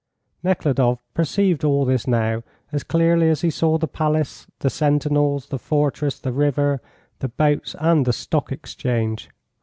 Nekhludoff perceived all this now as clearly as he saw the palace, the sentinels, the fortress, the river, the boats, and the Stock Exchange.